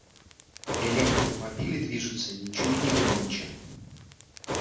Электромобили движутся ничуть не громче.